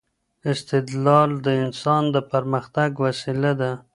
استدلال د انسان د پرمختګ وسيله ده.